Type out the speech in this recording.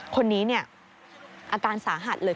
คนนี้เนี่ยอาการสาหัสเลย